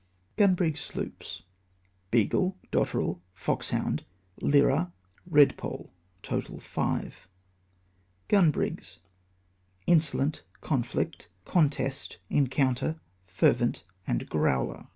GuNBRiG Sloops : Beagle, Dotterel, Foxhound, Lyra, Redpole. Total, 5. Gun brigs : Insolent, Conflict, Contest, Encounter, Fervent, and Growler.